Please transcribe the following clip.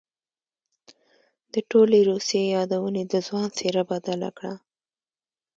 د ټولې روسيې يادونې د ځوان څېره بدله کړه.